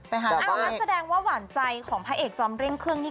งั้นแสดงว่าหวานใจของพระเอกจอมเร่งเครื่องนี่